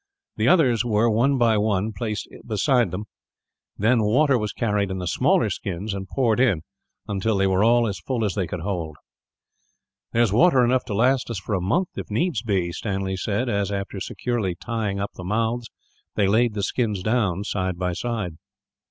The others were, one by one, placed beside it; then water was carried in the smaller skins and poured in, until they were all as full as they could hold. "There is water enough to last us for a month, if needs be," Stanley said as, after securely tying up the mouths, they laid the skins down, side by side.